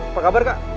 apa kabar kak